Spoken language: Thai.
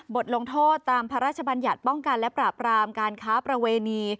บทลงโทษตามพระราชบัญญัติป้องกันและปราบรามการค้าประเวณี